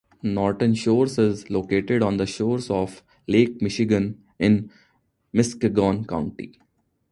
Norton Shores is located on the shores of Lake Michigan in Muskegon County.